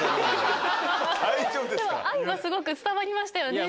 愛はすごく伝わりましたよね。